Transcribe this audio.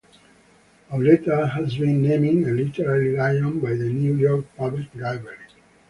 Auletta has been named a Literary Lion by the New York Public Library.